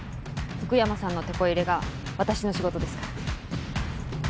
福山さんのてこ入れが私の仕事ですから。